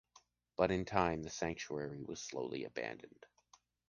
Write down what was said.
But with time, the sanctuary was slowly abandoned.